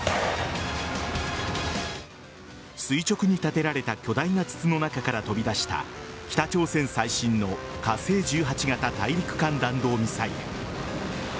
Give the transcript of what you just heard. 垂直に立てられた巨大な筒の中から飛び出した北朝鮮最新の火星１８型大陸間弾道ミサイル。